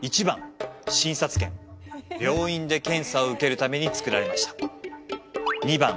病院で検査を受けるために作られました